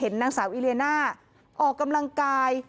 นางสาวอิเลียน่าออกกำลังกาย